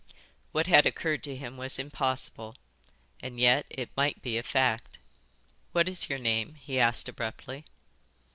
What had occurred to him was impossible, and yet it might be a fact. "What is your name?" he asked abruptly.